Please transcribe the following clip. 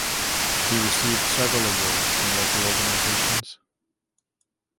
He received several awards from local organizations.